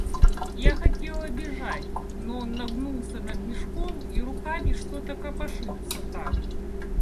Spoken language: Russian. Я хотела бежать, но он нагнулся над мешком и руками что-то копошится там...